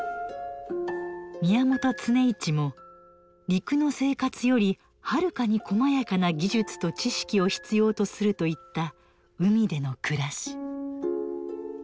宮本常一も「陸の生活よりはるかにこまやかな技術と知識を必要とする」と言った海でのくらし。